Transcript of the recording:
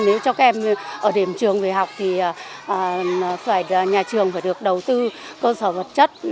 nếu cho các em ở điểm trường về học thì nhà trường phải được đầu tư cơ sở vật chất